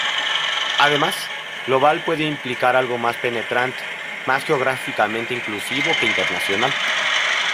Además, global puede implicar algo más penetrante, más geográficamente inclusivo que internacional.